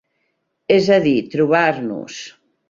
És a dir, trobar-nos.